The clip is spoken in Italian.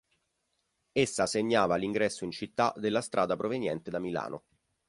Essa segnava l'ingresso in città della strada proveniente da Milano.